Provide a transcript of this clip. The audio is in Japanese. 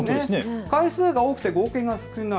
回数が多くて合計が少ない。